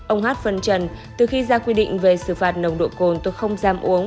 ông hát phân trần từ khi ra quy định về xử phạt nồng độ cồn tôi không dám uống